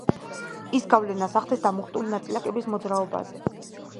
ის გავლენას ახდენს დამუხტული ნაწილაკების მოძრაობაზე.